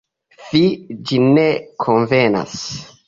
Fi, ĝi ne konvenas!